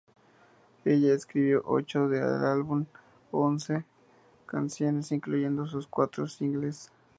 Ella escribió ocho de del álbum once canciones, incluyendo sus cuatro singles.